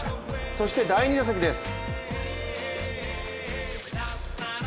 そして第２打席です。